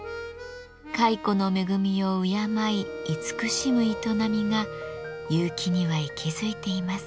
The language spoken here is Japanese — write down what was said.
蚕の恵みを敬い慈しむ営みが結城には息づいています。